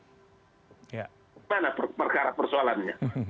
mana perkara persoalannya